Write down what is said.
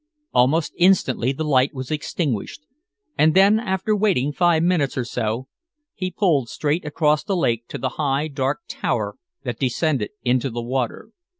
Almost instantly the light was extinguished, and then, after waiting five minutes or so, he pulled straight across the lake to the high, dark tower that descended into the water.